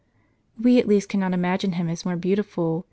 ft We at least cannot imagine him as more beautiful.